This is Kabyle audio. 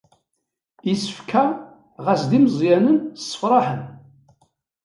Isefka, ɣas d imeẓyanen, ssefṛaḥen.